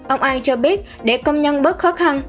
ông ai cho biết để công nhân bớt khó khăn